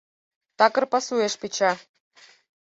Такыр пасуэш печа.